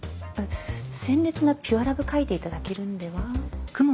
鮮烈なピュアラブ描いていただけるんでは？